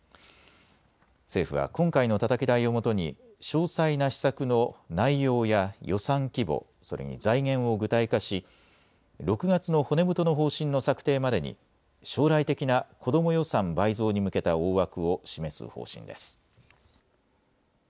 政府は、今回のたたき台をもとに、詳細な施策の内容や予算規模、それに財源を具体化し、６月の骨太の方針の策定までに、将来的な子ども予算倍増に向けた大枠を示す方針です。